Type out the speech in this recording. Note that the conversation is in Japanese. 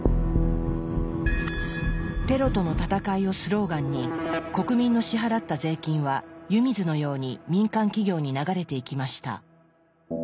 「テロとの戦い」をスローガンに国民の支払った税金は湯水のように民間企業に流れていきました。